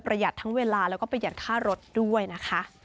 หยัดทั้งเวลาแล้วก็ประหยัดค่ารถด้วยนะคะ